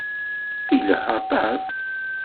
Ileḥḥu aṭas.